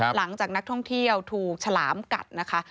หลังจากนักท่องเที่ยวถูกฉลามกัดนะคะ